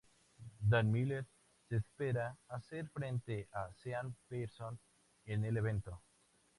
Dan Miller se espera hacer frente a Sean Pierson en el evento.